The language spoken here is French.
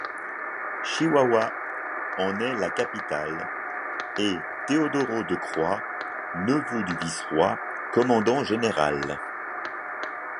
Chihuahua en est la capitale et Teodoro de Croix, neveu du vice-roi, commandant général.